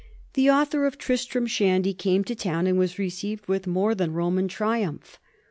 The author of "Tristram Shandy" came to town, and was received with more than Roman triumph.